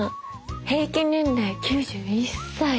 平均年齢９１歳。